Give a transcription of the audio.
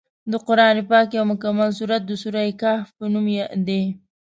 د قران پاک یو مکمل سورت د سورت الکهف په نامه دی.